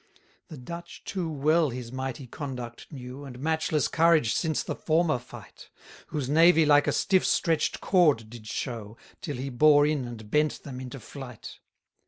121 The Dutch too well his mighty conduct knew, And matchless courage since the former fight; Whose navy like a stiff stretch'd cord did show, Till he bore in and bent them into flight.